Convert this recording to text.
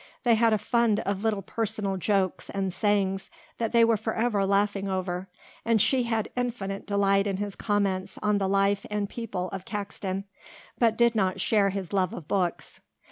They had a fund of little personal jokes and sayings that they were forever laughing over, and she had infinite delight in his comments on the life and people of Caxton, but did not share his love of books.